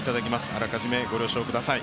あらかじめご了承させてください。